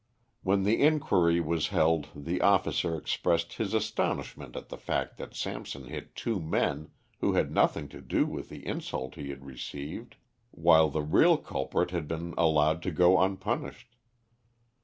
When the inquiry was held the officer expressed his astonishment at the fact that Samson hit two men who had nothing to do with the insult he had received, while the real culprit had been allowed to go unpunished.